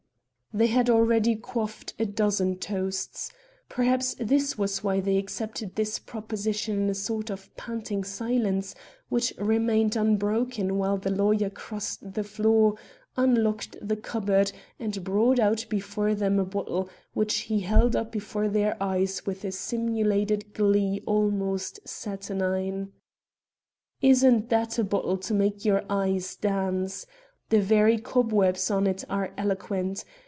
They had already quaffed a dozen toasts. Perhaps this was why they accepted this proposition in a sort of panting silence, which remained unbroken while the lawyer crossed the floor, unlocked the cupboard and brought out before them a bottle which he held up before their eyes with a simulated glee almost saturnine. "Isn't that a bottle to make your eyes dance? The very cobwebs on it are eloquent.